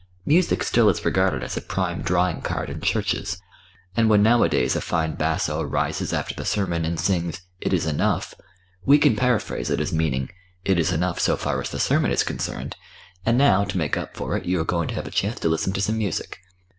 Music still is regarded as a prime drawing card in churches, and when nowadays a fine basso rises after the sermon and sings "It is enough," we can paraphrase it as meaning, "It is enough so far as the sermon is concerned, and now to make up for it you are going to have a chance to listen to some music."